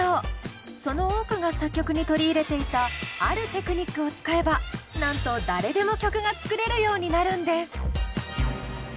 その多くが作曲に取り入れていたあるテクニックを使えばなんと誰でも曲が作れるようになるんです！